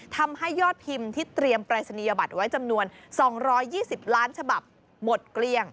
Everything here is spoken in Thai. ทำให้ยอดพิมพ์ที่เตรียมปรายศนียบัตรไว้จำนวน๒๒๐ล้านฉบับหมดเกลี้ยง